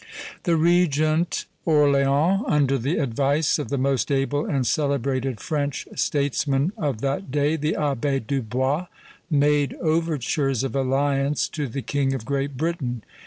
The Regent Orleans, under the advice of the most able and celebrated French statesman of that day, the Abbé Dubois, made overtures of alliance to the King of Great Britain.